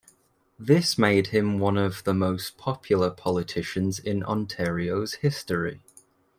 This made him one of the most popular politicians in Ontario's history.